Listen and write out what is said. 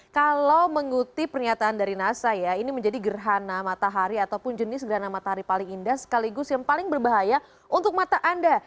kalau mengutip pernyataan dari nasa ya ini menjadi gerhana matahari ataupun jenis gerhana matahari paling indah sekaligus yang paling berbahaya untuk mata anda